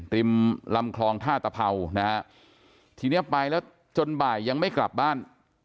ริมลำคลองท่าตะเผานะฮะทีเนี้ยไปแล้วจนบ่ายยังไม่กลับบ้าน